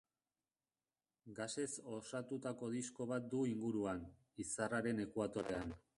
Gasez osatutako disko bat du inguruan, izarraren ekuatorean.